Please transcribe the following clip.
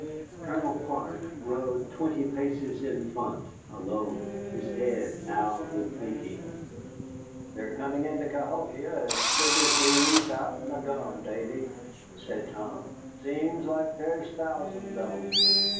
Colonel Clark rode twenty paces in front, alone, his head bowed with thinking. "They're coming into Cahokia as thick as bees out'n a gum, Davy," said Tom; "seems like there's thousands of 'em.